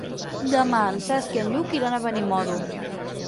Demà en Cesc i en Lluc iran a Benimodo.